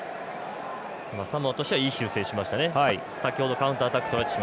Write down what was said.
サモアとしてはいい修正しました。